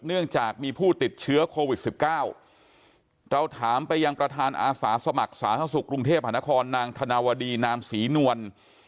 เนื่องจากมีผู้ติดเชื้อโควิด๑๙เราถามไปยังประธานอาสาสมัครสาธารณสุขกรุงเทพหานครนางธนวดีนามศรีนวล